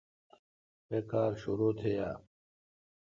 بہ کار شرو تھی اؘ۔